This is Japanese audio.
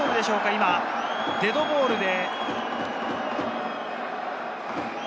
今、デッドボールで。